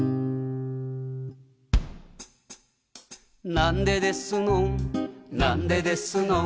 「なんでですのんなんでですのん」